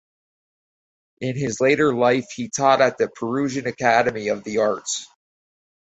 In his later life he taught at the Prussian Academy of the Arts.